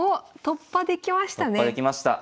突破できました。